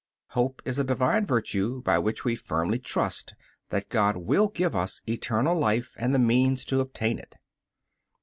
Hope is a Divine virtue by which we firmly trust that God will give us eternal life and the means to obtain it.